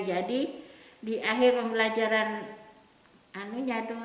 jadi di akhir pembelajaran anunya tuh